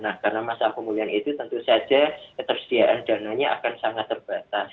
nah karena masa pemulihan itu tentu saja ketersediaan dananya akan sangat terbatas